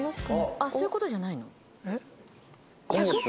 あっそういう事じゃないの？